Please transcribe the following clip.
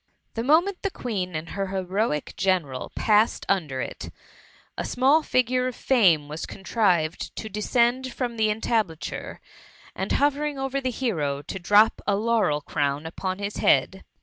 The moment the Queen and her heroic general passed under it, a small figure of Fame was contrived to de scend from the entablature, and, hovering over the hero, to drop a laurel crown upon his head.